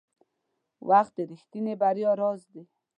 • وخت د رښتیني بریا راز دی.